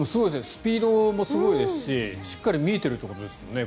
スピードもすごいですししっかり見えているということですもんね。